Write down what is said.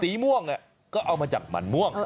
สีม่วงก็เอามาจากมันม่วง